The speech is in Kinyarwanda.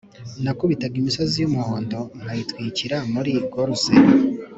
nakubitaga imisozi yumuhondo nkayitwikira muri gorse.